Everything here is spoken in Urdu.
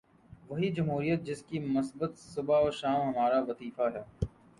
وہی جمہوریت جس کی مذمت صبح و شام ہمارا وظیفہ ہے۔